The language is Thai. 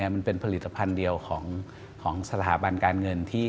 มันเป็นผลิตภัณฑ์เดียวของสถาบันการเงิน